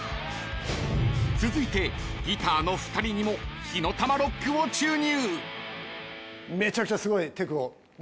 ［続いてギターの２人にも火の玉ロックを注入］